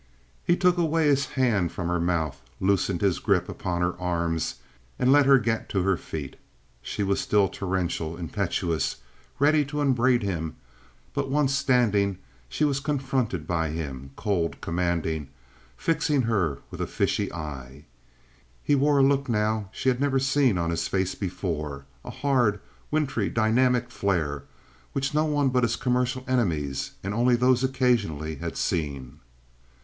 He took away his hand from her mouth, loosened his grip upon her arms, and let her get to her feet. She was still torrential, impetuous, ready to upbraid him, but once standing she was confronted by him, cold, commanding, fixing her with a fishy eye. He wore a look now she had never seen on his face before—a hard, wintry, dynamic flare, which no one but his commercial enemies, and only those occasionally, had seen.